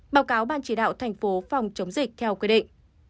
báo cáo ban chỉ đạo thành phố phòng chống dịch theo quy định